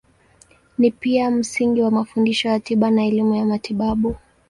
Ni pia msingi wa mafundisho ya tiba na elimu ya matibabu.